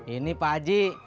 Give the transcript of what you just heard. ini pak haji